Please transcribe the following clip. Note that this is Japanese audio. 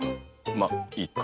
まっいいか。